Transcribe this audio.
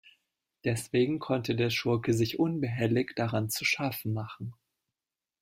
Deswegen konnte der Schurke sich unbehelligt daran zu schaffen machen.